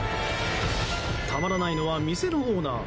たまらないのは店のオーナー。